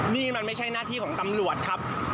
นี่มันไม่ใช่หน้าที่ของตำรวจครับ